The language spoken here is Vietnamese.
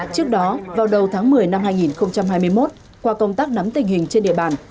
trước đó vào đầu tháng một mươi năm hai nghìn hai mươi một qua công tác nắm tình hình trên địa bàn